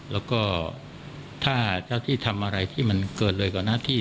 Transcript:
แล้วก็ถ้าเจ้าที่ทำอะไรที่มันเกินเลยกว่าหน้าที่